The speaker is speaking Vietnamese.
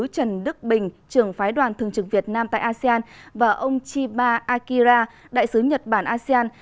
trần đức bình trưởng phái đoàn thường trực việt nam tại asean và ông chiba akira đại sứ nhật bản asean